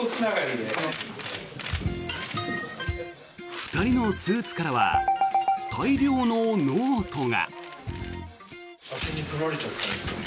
２人のスーツからは大量のノートが。